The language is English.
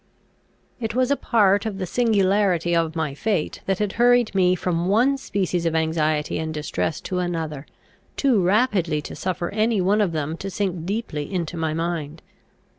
It was a part of the singularity of my fate that it hurried me from one species of anxiety and distress to another, too rapidly to suffer any one of them to sink deeply into my mind.